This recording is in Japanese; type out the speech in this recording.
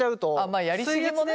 まあやり過ぎもね。